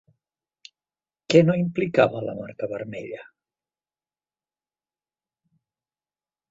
Què no implicava la marca vermella?